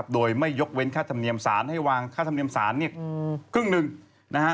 โดยไม่ยกเว้นค่าธรรมเนียมสารให้วางค่าธรรมเนียมสารเนี่ยครึ่งหนึ่งนะฮะ